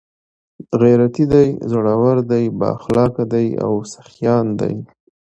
، غيرتي دي، زړور دي، بااخلاقه دي او سخيان دي